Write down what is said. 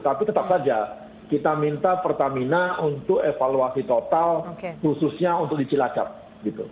tapi tetap saja kita minta pertamina untuk evaluasi total khususnya untuk di cilacap gitu